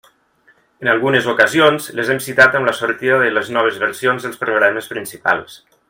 En algunes ocasions, les hem citat amb la sortida de les noves versions dels programes principals.